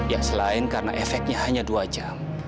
ya selain karena efeknya hanya dua jam